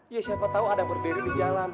ya siapa tahu ada yang berdiri di jalan